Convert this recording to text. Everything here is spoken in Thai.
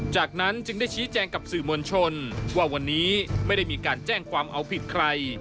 จากนั้นจึงได้ชี้แจงกับสื่อมวลชนว่าวันนี้ไม่ได้มีการแจ้งความเอาผิดใคร